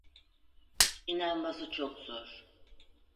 İnanması çok zor.